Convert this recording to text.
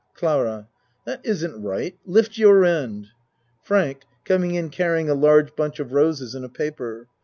CLARA That isn't straight. Lift your end FRANK (Coming in carrying a large bunch of roses in a paper.